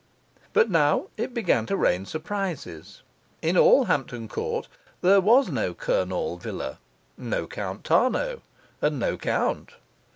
But now it began to rain surprises: in all Hampton Court there was no Kurnaul Villa, no Count Tarnow, and no count.